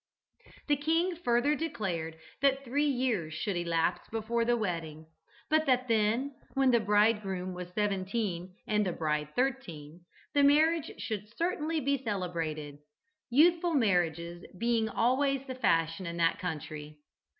The king further declared that three years should elapse before the wedding, but that then, when the bridegroom was seventeen and the bride thirteen, the marriage should certainly be celebrated, youthful marriages being always the fashion in that country.